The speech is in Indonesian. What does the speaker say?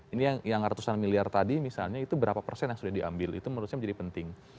ini yang ratusan miliar tadi misalnya itu berapa persen yang sudah diambil itu menurut saya menjadi penting